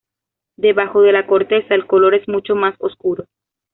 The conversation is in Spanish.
Debajo de la corteza el color es mucho más oscuro.